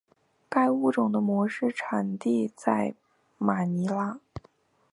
该物种的模式产地在马尼拉。